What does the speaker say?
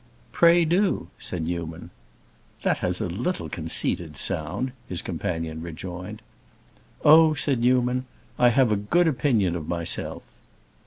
"Pray do," said Newman. "That has a little conceited sound!" his companion rejoined. "Oh," said Newman, "I have a very good opinion of myself."